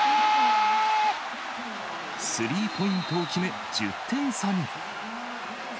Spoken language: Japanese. スリーポイントを決め、１０点差に。